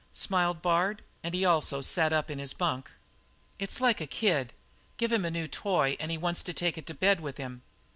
smiled Bard, and he also sat up in his bunk. "It's like a kid. Give him a new toy and he wants to take it to bed with him.